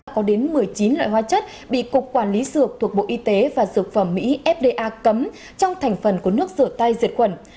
có đến một mươi chín loại hoa chất bị cục quản lý sược thuộc bộ y tế và sược phẩm mỹ fda cấm trong thành phần của nước rửa tay diệt quẩn